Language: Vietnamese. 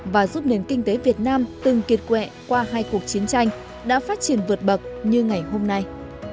và giúp nền kinh tế việt nam từng kiệt quẹ qua hai cuộc chiến tranh đã phát triển vượt bậc như ngày hôm nay